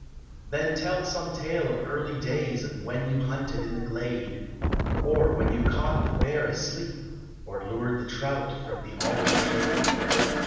Then tell some tale of early days Of when you hunted in the glade, Or when you caught the bear asleep, Or lured the trout from the alder shade.